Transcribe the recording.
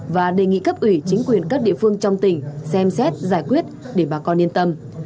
và đề nghị cấp ủy chính quyền các địa phương trong tỉnh xem xét giải quyết để bà con yên tâm